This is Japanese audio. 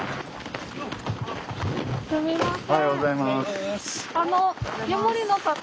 すみません。